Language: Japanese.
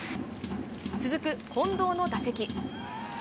続く近藤の打席。